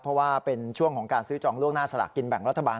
เพราะว่าเป็นช่วงของการซื้อจองล่วงหน้าสลากกินแบ่งรัฐบาล